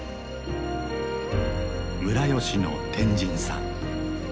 村吉の天神さん。